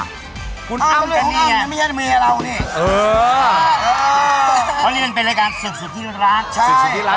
นี่คุณอ้าวเนี่ยไม่ใช่เมยเราควรเลือกไปรายการสุดที่รัก